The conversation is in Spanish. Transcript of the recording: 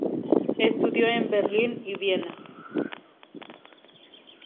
Estudió en Berlín y Viena.